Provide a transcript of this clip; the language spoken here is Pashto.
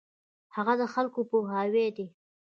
هغه د خلکو پوهاوی دی.